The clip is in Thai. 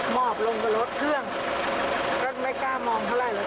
หมอบลงบนรถเครื่องก็ไม่กล้ามองเท่าไหร่